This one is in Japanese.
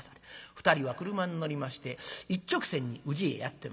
２人は車に乗りまして一直線に宇治へやって参り